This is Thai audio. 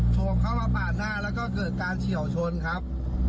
โชว์เข้ามาปาดหน้าแล้วก็เกิดการเฉียวชนครับ